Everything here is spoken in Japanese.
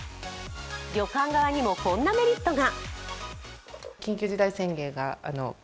旅館側にもこんなメリットが。